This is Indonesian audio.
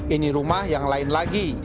ini rumah yang lain lagi